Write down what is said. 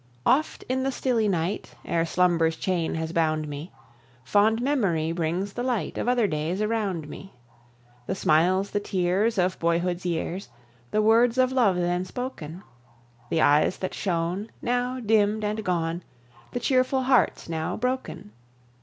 Oft in the stilly night Ere slumber's chain has bound me, Fond Memory brings the light Of other days around me: The smiles, the tears Of boyhood's years, The words of love then spoken; The eyes that shone, Now dimmed and gone, The cheerful hearts now broken!